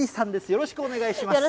よろしくお願いします。